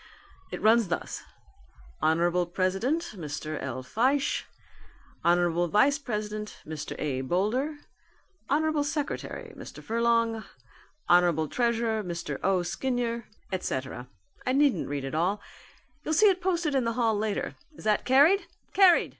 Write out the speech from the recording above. It runs thus: Hon. President Mr. L. Fyshe, Hon. Vice president, Mr. A. Boulder, Hon. Secretary Mr. Furlong, Hon. Treasurer Mr. O. Skinyer, et cetera I needn't read it all. You'll see it posted in the hall later. Is that carried? Carried!